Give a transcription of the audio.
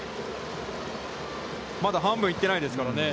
まだ半分行ってないですからね。